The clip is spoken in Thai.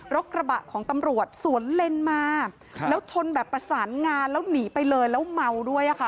กระบะของตำรวจสวนเลนมาแล้วชนแบบประสานงานแล้วหนีไปเลยแล้วเมาด้วยค่ะ